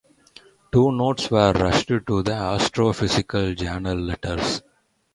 Two notes were rushed to the Astrophysical Journal Letters.